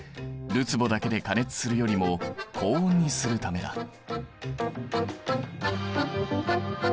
るつぼだけで加熱するよりも高温にするためだ。